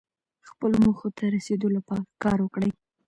خپلو موخو ته رسیدو لپاره کار وکړئ.